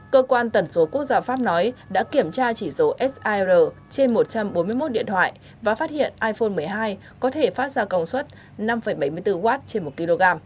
cơ quan tần số quốc gia pháp nói đã kiểm tra chỉ số sir trên một trăm bốn mươi một điện thoại và phát hiện iphone một mươi hai có thể phát ra công suất năm bảy mươi bốn w trên một kg